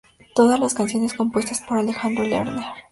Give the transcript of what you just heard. Todas las canciones compuestas por Alejandro Lerner